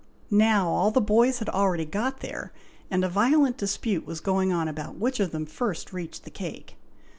Now, all the boys had already got there, and a violent dispute was going on about which of them first reached the cake.